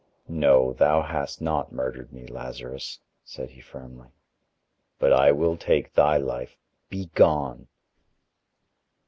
"No, thou hast not murdered me, Lazarus," said he firmly, "but I will take thy life. Be gone."